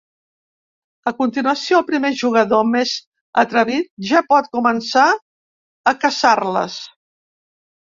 A continuació, el primer jugador més atrevit ja pot començar a caçar-les.